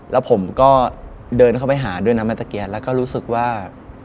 แล้วผมก็เดินเข้าไปหาด้วยนะแม่ตะเกียนแล้วก็รู้สึกว่า